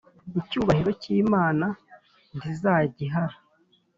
icyubahiro cyimana ntizagihara